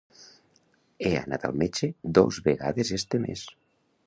He anat al metge dos vegades este mes.